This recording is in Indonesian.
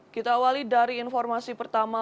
kita awali dari informasi pertama